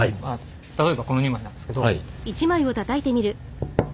例えばこの２枚なんですけど。